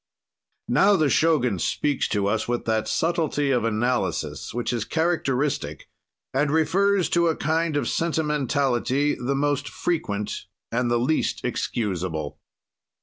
Now the Shogun speaks to us with that subtlety of analysis which is characteristic and refers to a kind of sentimentality the most frequent and the least excusable.